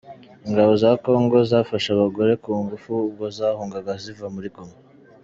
ingabo za kongo zafashe abagore ku ngufu ubwo zahungaga ziva muri Goma